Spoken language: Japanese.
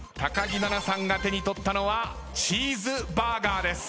木菜那さんが手に取ったのはチーズバーガーです。